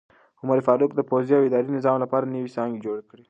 عمر فاروق د پوځي او اداري نظام لپاره نوې څانګې جوړې کړې.